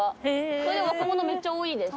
それで若者めっちゃ多いです。